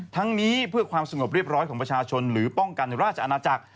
ทั้งนี้เพื่อความสงบเรียบร้อยของประชาชนหรือป้องกันราชอาณาจักร